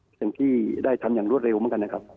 สิ่งที่ได้ทำอย่างรวดเร็วเหมือนกันนะครับ